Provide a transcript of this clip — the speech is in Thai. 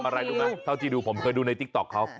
อะไรรู้ไหมเท่าที่ดูผมเคยดูในติ๊กต๊อกเขา